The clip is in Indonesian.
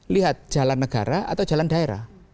lihat jalan negara atau jalan daerah